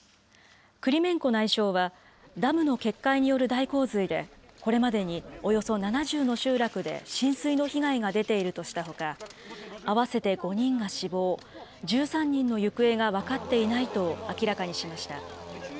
クリメンコ内相は、ダムの決壊による大洪水で、これまでにおよそ７０の集落で浸水の被害が出ているとしたほか、合わせて５人が死亡、１３人の行方が分かっていないと明らかにしました。